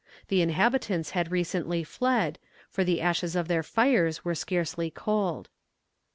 The inhabitants had recently fled, for the ashes of their fires were scarcely cold.